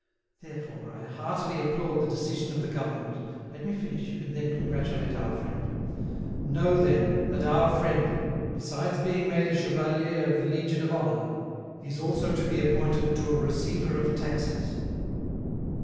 Therefore, I heartily applaud the decision of the government. ... Let me finish, you can then congratulate our friend. ... Know, then, that our friend, besides being made a chevalier of the Legion of Honour, is also to be appointed to a receiver of taxes."